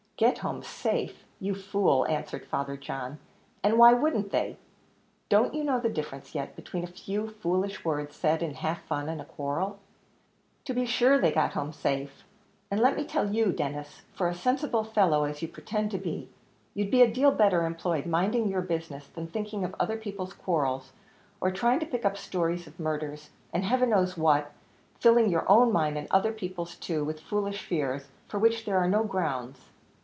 "Get home safe, you fool!" answered Father John, "and why wouldn't they? don't you know the difference yet, between a few foolish words, said half in fun, and a quarrel? To be sure they got home safe; and let me tell you, Denis, for a sensible fellow as you pretend to be, you'd be a deal better employed minding your business, than thinking of other people's quarrels, or trying to pick up stories of murders, and heaven knows what filling your own mind and other people's too with foolish fears, for which there are no grounds.